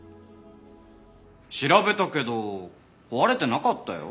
調べたけど壊れてなかったよ。